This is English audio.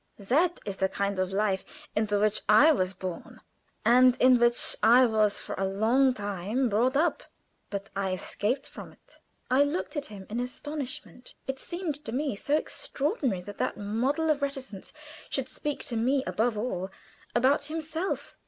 That is the kind of life into which I was born, and in which I was for a long time brought up; but I escaped from it." I looked at him in astonishment. It seemed so extraordinary that that model of reticence should speak to me, above all, about himself.